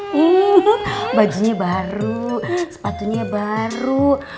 hmm bajunya baru sepatunya baru